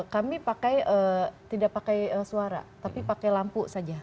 kami pakai tidak pakai suara tapi pakai lampu saja